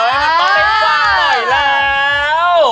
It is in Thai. เออต้องเห็นตลาดให้ต่อไปแล้ว